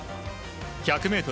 １００ｍ